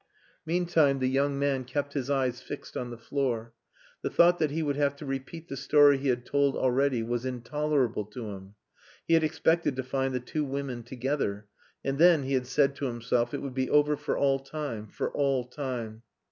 Meantime the young man kept his eyes fixed on the floor. The thought that he would have to repeat the story he had told already was intolerable to him. He had expected to find the two women together. And then, he had said to himself, it would be over for all time for all time.